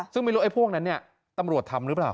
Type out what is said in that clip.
ซึ่งไม่รู้ไอ้พวกนั้นเนี่ยตำรวจทำหรือเปล่า